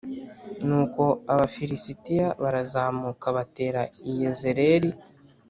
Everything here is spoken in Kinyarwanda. nuko abafilisitiya barazamuka batera i yezerēli